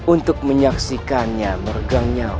untuk menyaksikannya meregang nyawa